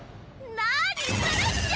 なにするっちゃ！